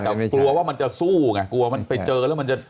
แต่กลัวว่ามันจะสู้ไงกลัวมันไปเจอแล้วมันจะ